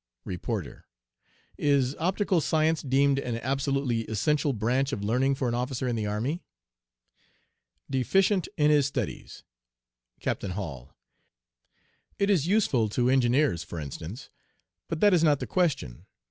"REPORTER 'Is optical science deemed an absolutely essential branch of learning for an officer in the army?' DEFICIENT IN HIS STUDIES. "CAPTAIN HALL 'It is useful to engineers, for instance. But that is not the question.